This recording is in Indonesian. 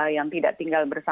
yang tidak tinggal berhubungan